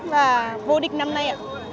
và vô địch năm nay